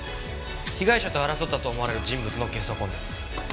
被害者と争ったと思われる人物の下足痕です。